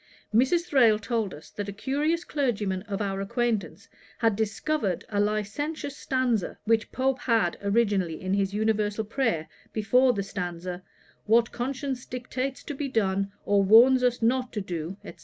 Mrs. Thrale told us, that a curious clergyman of our acquaintance had discovered a licentious stanza, which Pope had originally in his Universal Prayer, before the stanza, 'What conscience dictates to be done, Or warns us not to do,' &c.